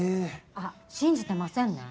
あっ信じてませんね？